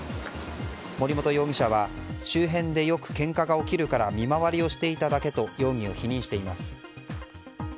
森本容疑者は周辺でよくけんかが起きるから見回りをしていただけと容疑を否認しています。